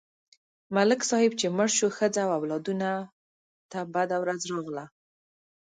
ملک صاحب چې مړ شو، ښځه او اولادونه ته بده ورځ راغله.